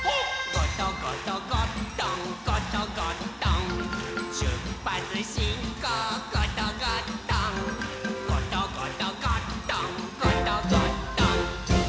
「ゴトゴトゴットンゴトゴットン」「しゅっぱつしんこうゴトゴットン」「ゴトゴトゴットンゴトゴットン」